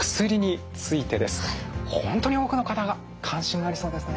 本当に多くの方が関心がありそうですね。